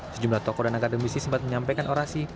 sejumlah tokoh dan akademisi sempat menyampaikan orasi